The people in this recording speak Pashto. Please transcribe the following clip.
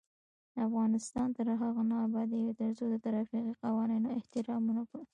افغانستان تر هغو نه ابادیږي، ترڅو د ترافیکي قوانینو احترام ونکړو.